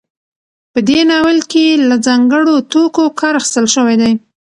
په دې ناول کې له ځانګړو توکو کار اخیستل شوی دی.